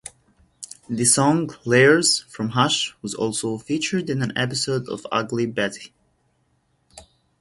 The song "Layers" from "Hush" was also featured in an episode of "Ugly Betty".